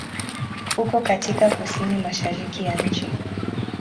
Uko katika kusini-mashariki ya nchi.